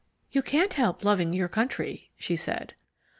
"You can't help loving your country," she said.